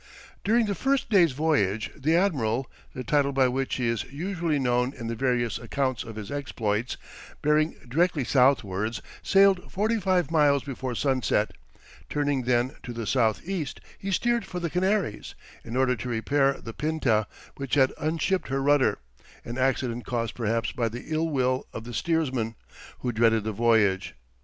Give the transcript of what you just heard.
During the first day's voyage, the admiral the title by which he is usually known in the various accounts of his exploits bearing directly southwards, sailed forty five miles before sunset; turning then to the south east, he steered for the Canaries, in order to repair the Pinta, which had unshipped her rudder, an accident caused perhaps by the ill will of the steersman, who dreaded the voyage.